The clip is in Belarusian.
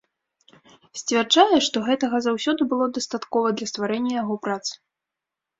Сцвярджае, што гэтага заўсёды было дастаткова для стварэння яго прац.